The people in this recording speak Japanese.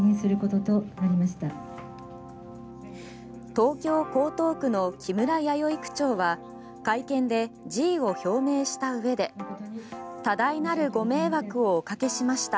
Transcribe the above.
東京・江東区の木村弥生区長は会見で辞意を表明したうえで多大なるご迷惑をおかけしました